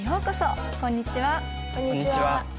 こんにちは。